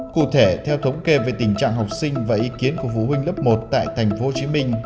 cụ thể theo thống kê về tình trạng học sinh và ý kiến của phụ huynh lớp một tại tp hcm